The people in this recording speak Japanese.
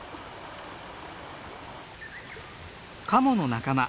カモの仲間